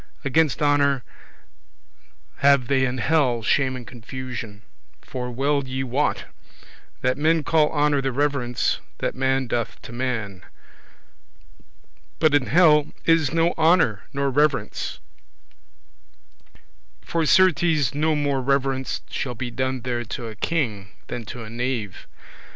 Against honour have they in hell shame and confusion: for well ye wot, that men call honour the reverence that man doth to man; but in hell is no honour nor reverence; for certes no more reverence shall be done there to a king than to a knave [servant].